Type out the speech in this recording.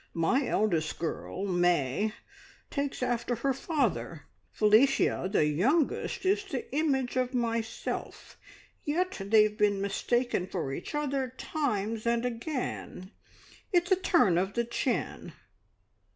My eldest girl May takes after her father; Felicia, the youngest, is the image of myself; yet they've been mistaken for each other times and again. It's a turn of the chin.